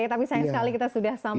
tapi sayang sekali kita sudah sampai